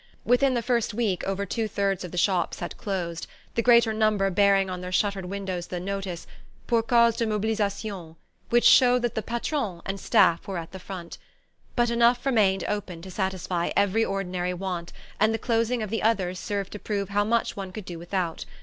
Within the first week over two thirds of the shops had closed the greater number bearing on their shuttered windows the notice "Pour cause de mobilisation," which showed that the "patron" and staff were at the front. But enough remained open to satisfy every ordinary want, and the closing of the others served to prove how much one could do without.